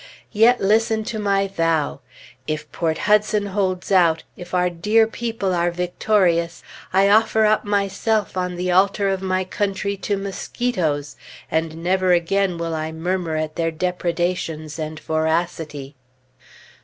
Yet listen to my vow: If Port Hudson holds out, if our dear people are victorious, I offer up myself on the altar of my country to mosquitoes, and never again will I murmur at their depredations and voracity."